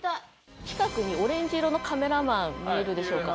近くにオレンジ色のカメラマンが見えるでしょうか。